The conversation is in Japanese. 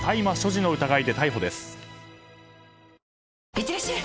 いってらっしゃい！